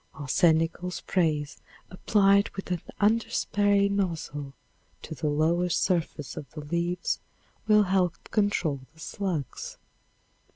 Arsenical sprays applied with an underspray nozzle to the lower surface of the leaves will help control the slugs.